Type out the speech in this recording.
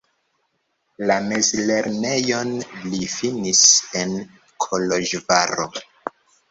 La mezlernejon li finis en Koloĵvaro.